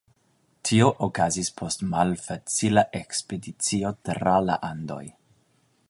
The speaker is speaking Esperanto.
Tio okazis post malfacila ekspedicio tra la Andoj.